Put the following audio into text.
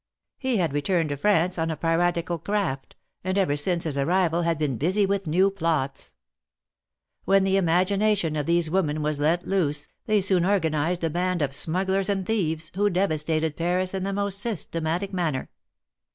He had returned to France on a piratical craft, and ever since his arrival had been busy with new plots. When the imagination of these women was let loose, they soon organized a band of smugglers and thieves, who devastated Paris in the most systematic manner.